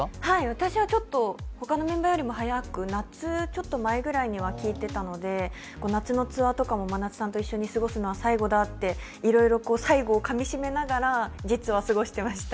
私はちょっと他のメンバーよりも早く、夏のツアーとかも真夏さんと一緒に過ごすのは最後だと、いろいろ最後をかみしめながら実は過ごしてました。